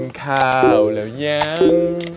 กินข้าวแล้วยัง